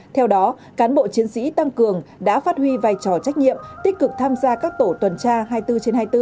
theo đó cán bộ chiến sĩ tăng cường đã phát huy vai trò trách nhiệm tích cực tham gia các tổ tuần tra hai mươi bốn trên hai mươi bốn